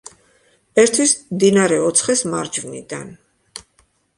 ერთვის მდინარე ოცხეს მარჯვნიდან.